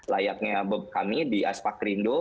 layaknya kami di aspak rindo